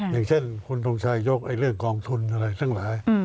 อย่างเช่นคุณทงชัยยกเรื่องกองทุนอะไรทั้งหลาย